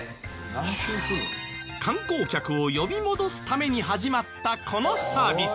観光客を呼び戻すために始まったこのサービス。